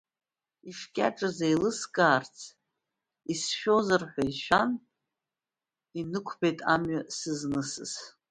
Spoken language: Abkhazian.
Ишкьаҿыз еилыскаарц исшәозар ҳәа ишәан, инықәбеит амҩа сызнысыз…